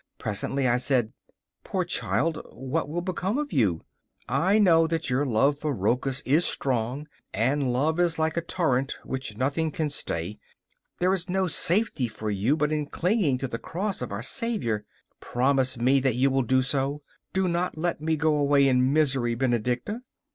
Presently I said: 'Poor child, what will become of you? I know that your love for Rochus is strong and, love is like a torrent which nothing can stay. There is no safety for you but in clinging to the cross of our Saviour. Promise me that you will do so do not let me go away in misery, Benedicta.